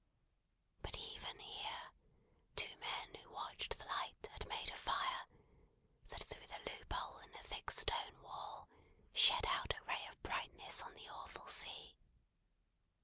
But even here, two men who watched the light had made a fire, that through the loophole in the thick stone wall shed out a ray of brightness on the awful sea.